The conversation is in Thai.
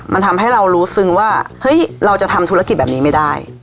มันทำให้เรารู้ซึ้งว่าเฮ้ยเราจะทำธุรกิจแบบนี้ไม่ได้